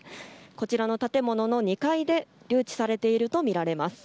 こちらの建物の２階で留置されているとみられます。